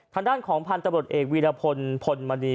ทางด้านของพันธุ์ตำรวจเอกวีรพลพลมณี